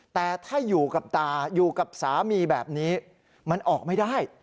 แต่ถ้าอยู่กับตาอยู่กับสามีแบบนี้มันออกไม่ได้